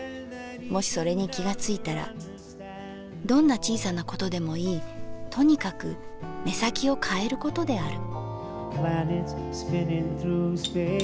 もしそれに気がついたらどんな小さなことでもいいとにかく目先きをかえることである」。